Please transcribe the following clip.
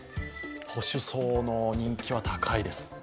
保守層の人気は高いです。